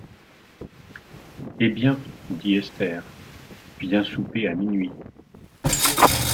Eh! bien, dit Esther, viens souper à minuit.